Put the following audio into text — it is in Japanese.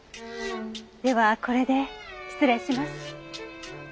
ではこれで失礼します。